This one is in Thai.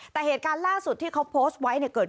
แต่เหตุการณ์ล่าสุดที่เขาโพสต์ไว้เนี่ย